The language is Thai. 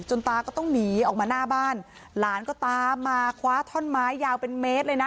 ตาก็ต้องหนีออกมาหน้าบ้านหลานก็ตามมาคว้าท่อนไม้ยาวเป็นเมตรเลยนะ